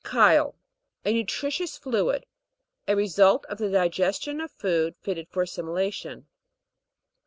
CHYLE (kite). A nutritious fluid, a result of the digestion of food, fitted for assimilation.